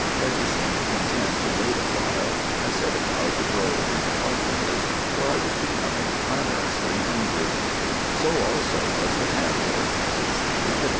As he seemed content to wait a while, I set about broiling my partridges, for I was becoming clamorously hungry. "So also was the panther, as it seemed.